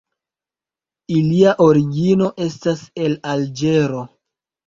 Ilia origino estas el Alĝero.